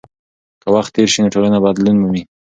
که وخت تېر سي نو ټولنه بدلون مومي.